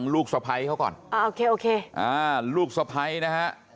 ลูกสะพ้านะฮะ